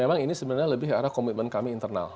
memang ini sebenarnya lebih arah komitmen kami internal